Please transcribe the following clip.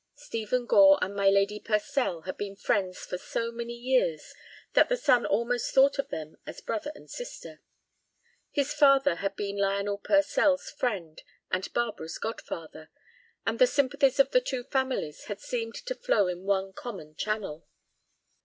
Stephen Gore and my Lady Purcell had been friends for so many years that the son almost thought of them as brother and sister. His father had been Lionel Purcell's friend and Barbara's godfather, and the sympathies of the two families had seemed to flow in one common channel.